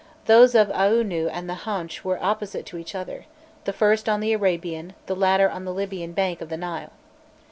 Those of Aûnû and the Haunch were opposite to each other, the first on the Arabian, the latter on the Libyan bank of the Nile.